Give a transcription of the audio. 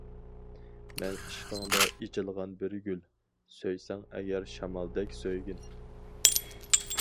مەن ئىشقىڭدا ئېچىلغان بىر گۈل، سۆيسەڭ ئەگەر شامالدەك سۆيگىن!